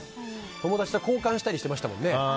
友達と交換したりしてましたもんね。